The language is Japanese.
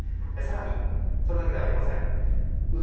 更に、それだけではありません。